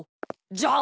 じゃあ。